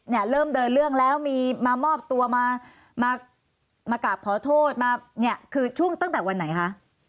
เนี่ยเริ่มเดินเรื่องแล้วมีมามอบตัวมามากราบขอโทษมาเนี่ยคือช่วงตั้งแต่วันไหนคะ